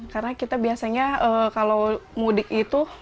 karena kita biasanya kalau mudik itu